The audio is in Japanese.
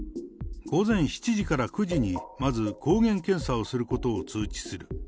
午前７時から９時に、まず抗原検査をすることを通知する。